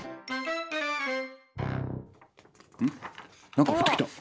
「何か降ってきた。